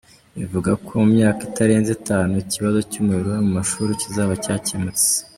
ivuga ko mu myaka itarenze itanu ikibazo cy’umuriro mu mashuri kizaba cyakemutse